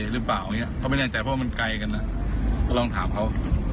แล้วอย่างนั้นก็ไม่เฉพาะ